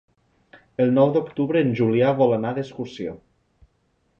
El nou d'octubre en Julià vol anar d'excursió.